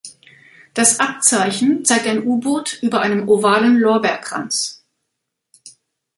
Das Abzeichen zeigt ein U-Boot über einem ovalen Lorbeerkranz.